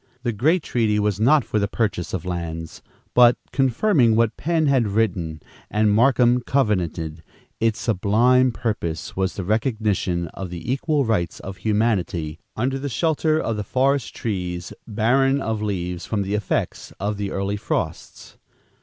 The great treaty was not for the purchase of lands; but, confirming what Penn had written and Markham covenanted, its sublime purpose was the recognition of the equal rights of humanity, under the shelter of the forest trees, barren of leaves from the effects of the early frosts.